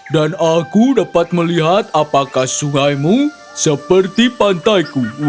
dan aku dapat melihat apakah sungaimu seperti pantai